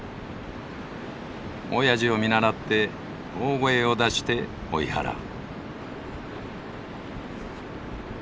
おやじを見習って大声を出して追い払う。